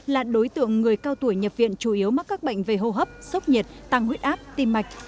là đối tượng người cao tuổi nhập viện chủ yếu mắc các bệnh về hô hấp sốc nhiệt tăng huyết áp tim mạch